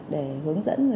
để hướng dẫn chúng tôi